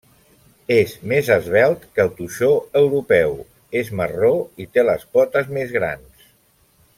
És més esvelt que el toixó europeu, és marró i té les potes més grans.